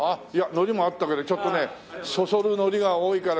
海苔もあったけどちょっとねそそる海苔が多いから。